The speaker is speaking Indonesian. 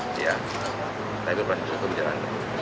saya sudah cukup jalan